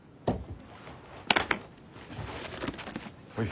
はい。